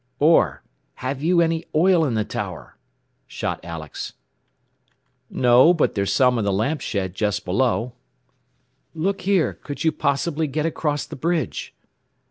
"OR, have you any oil in the tower?" shot Alex. "No, but there's some in the lamp shed just below." "Look here, could you possibly get across the bridge?"